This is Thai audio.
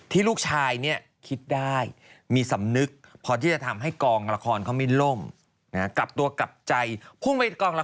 ถ้ามีแฟนก็ไปเคล็ดแองจี้แล้วแหละ